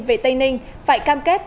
về tây ninh phải cam kết